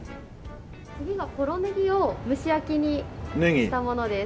次がポロネギを蒸し焼きにしたものです。